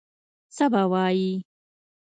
څه به وایي.